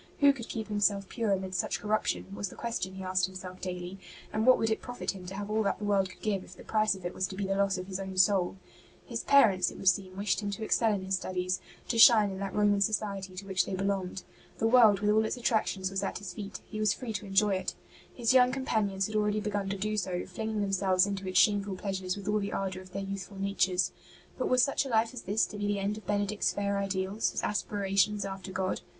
Who could keep himself pure amidst such corruption, was the question he asked himself daily, and what would it profit him to have all that the world could give if the price of it was to be the loss of his own soul ? His parents, it would seem, wished him to excel in his studies, to shine in that Roman society to which they belonged. The world with all its attractions was at his feet ; he was free to enjoy it. His young companions had already begun to do so, flinging themselves ST. BENEDICT 27 into its shameful pleasures with all the ardour of their youthful natures. But was such a life as this to be the end of Benedict's fair ideals, his aspirations after God